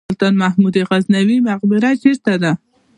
سلطان محمود غزنوي مقبره چیرته ده؟